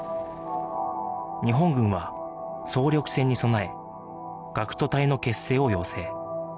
日本軍は総力戦に備え学徒隊の結成を要請